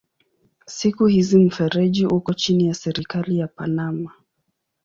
Siku hizi mfereji uko chini ya serikali ya Panama.